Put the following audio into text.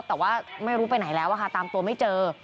แต่ว่าไม่รู้ไปไหนแล้วค่ะตามตัวไม่เจอ